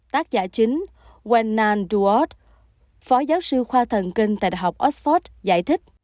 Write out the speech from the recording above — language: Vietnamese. tác giả chính wenan duod phó giáo sư khoa thần kinh tại đh oxford giải thích